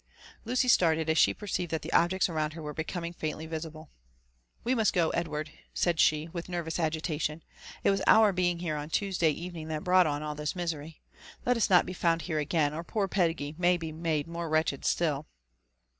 Lucy started as she perceived that the objects around her were becoming faintly visible. We must go, Edward," said she with nervous agitation. It was our being here on Tuesday evening that brought on all this misery. Let us not be found here again, or poor Peggy may be made more wretched still."